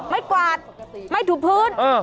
ไม้กวาดไม้ถูพื้น